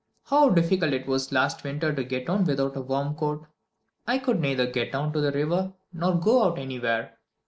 How difficult it was last winter to get on without a warm coat. I could neither get down to the river, nor go out anywhere.